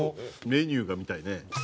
メニューが見たいね。